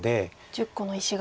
１０個の石が。